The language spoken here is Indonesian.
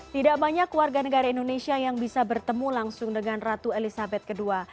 tidak banyak warga negara indonesia yang bisa bertemu langsung dengan ratu elizabeth ii